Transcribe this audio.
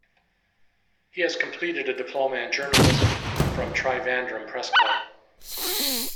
He has completed a diploma in journalism from Trivandrum Press Club.